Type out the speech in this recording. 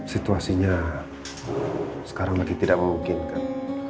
situasinya sekarang lagi tidak memungkinkan